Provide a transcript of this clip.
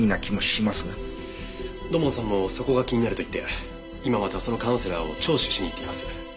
土門さんもそこが気になると言って今またそのカウンセラーを聴取しに行っています。